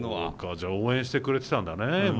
じゃあ応援してくれていたんだねＭ‐